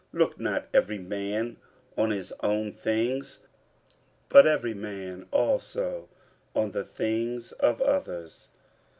50:002:004 Look not every man on his own things, but every man also on the things of others.